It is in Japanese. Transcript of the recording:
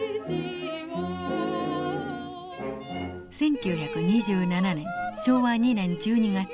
１９２７年昭和２年１２月。